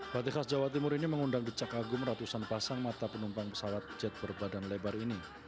batik khas jawa timur ini mengundang decak agung ratusan pasang mata penumpang pesawat jet berbadan lebar ini